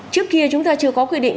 trước kia chúng ta chưa có quy định